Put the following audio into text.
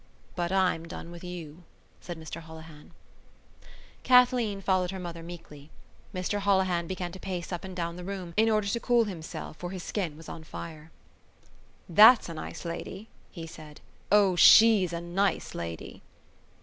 "But I'm done with you," said Mr Holohan. Kathleen followed her mother meekly. Mr Holohan began to pace up and down the room, in order to cool himself for he felt his skin on fire. "That's a nice lady!" he said. "O, she's a nice lady!"